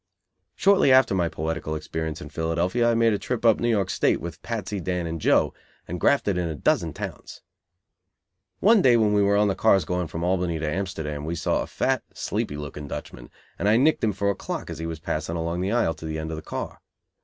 Shortly after my poetical experience in Philadelphia I made a trip up New York State with Patsy, Dan and Joe, and grafted in a dozen towns. One day when we were on the cars going from Albany to Amsterdam, we saw a fat, sleepy looking Dutchman, and I nicked him for a clock as he was passing along the aisle to the end of the car.